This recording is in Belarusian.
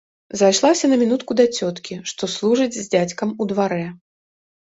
Зайшлася на мінутку да цёткі, што служыць з дзядзькам у дварэ.